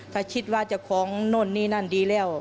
ถ้าคิดว่าเจ้าของโน่นนี่นั่นดีแล้ว